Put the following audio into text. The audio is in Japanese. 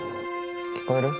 聞こえる？